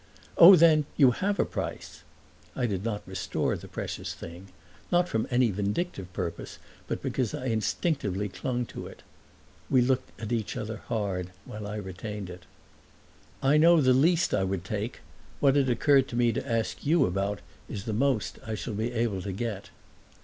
"Oh, then, you have a price?" I did not restore the precious thing; not from any vindictive purpose but because I instinctively clung to it. We looked at each other hard while I retained it. "I know the least I would take. What it occurred to me to ask you about is the most I shall be able to get."